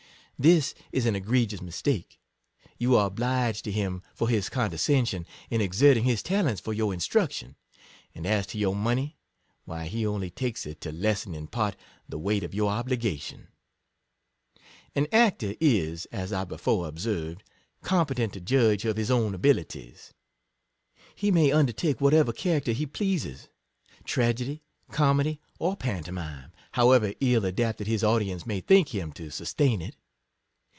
This is an egregious mistake: you are obliged to him for his condescension in ex erting his talents for your instruction ; and as to your money, why he only takes it to lessen in part the weight of your obligation. An actor is, as I before observed, compe tent to judge of his own abilities; he may undertake whatever character he pleases, tragedy, comedy, or pantomime, however ill adapted his audience may think him to sus tain it.